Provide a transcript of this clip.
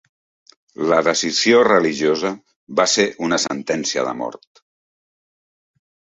La decisió religiosa va ser una sentència de mort.